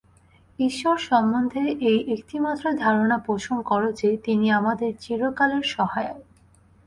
ঈশ্বরসম্বন্ধে এই একটিমাত্র ধারণা পোষণ কর যে, তিনি আমাদের চিরকালের সহায়।